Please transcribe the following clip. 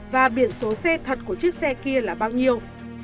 và biển số xe thật của chiếc xe kia là bao nhiêu